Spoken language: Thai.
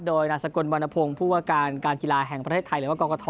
โดยนาสกลวรรณพงศ์ผู้ว่าการการกีฬาแห่งประเทศไทยหรือว่ากรกฐ